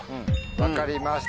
分かりました。